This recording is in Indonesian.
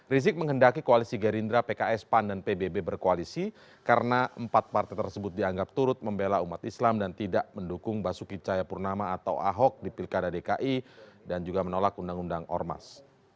rizik menghendaki koalisi gerindra pks pan dan pbb berkoalisi karena empat partai tersebut dianggap turut membela umat islam dan tidak mendukung basuki cahayapurnama atau ahok di pilkada dki dan juga menolak undang undang ormas